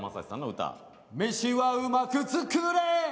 「めしはうまく作れ」